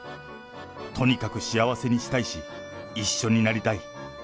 とにかく幸せにしたいし、一緒になりたい。